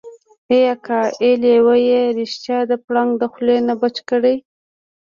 ای اکا ای لېوه يې رښتيا د پړانګ د خولې نه بچ کړی.